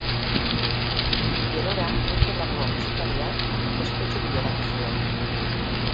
Gerora Mikel Laboa musikariak ospetsu bilakatu zuen.